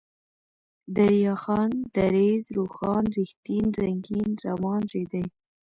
دريا خان ، دريځ ، روښان ، رښتين ، رنگين ، روان ، ريدی